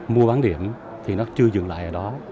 mua bán điểm thì nó chưa dừng lại ở đó